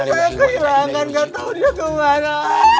saya kehilangan gak tahu dia kemana